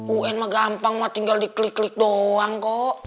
un mah gampang ma tinggal diklik klik doang kok